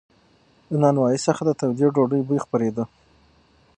له نانوایۍ څخه د تودې ډوډۍ بوی خپرېده.